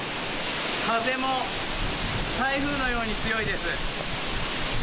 風も台風のように強いです。